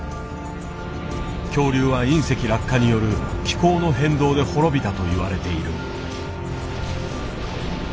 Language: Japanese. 恐竜は隕石落下による気候の変動で滅びたと言われている。